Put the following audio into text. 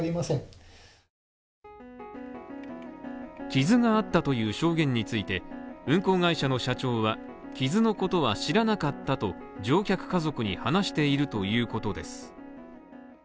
傷があったという証言について、運航会社の社長は傷のことは知らなかったと乗客家族に話しているということです。